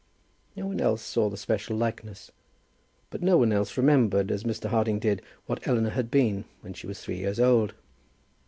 No one else saw the special likeness, but no one else remembered, as Mr. Harding did, what Eleanor had been when she was three years old.